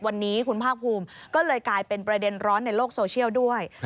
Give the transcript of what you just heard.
วันนี้คุณภาคภูมิก็เลยกลายเป็นประเด็นร้อนในโลกโซเชียลด้วย